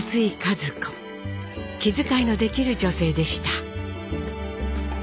気遣いのできる女性でした。